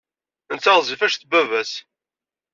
Netta ɣezzif anect n baba-s.